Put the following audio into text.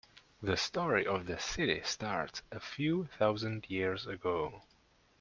The story of the city starts a few thousand years ago.